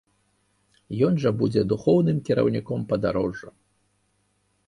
Ён жа будзе духоўным кіраўніком падарожжа.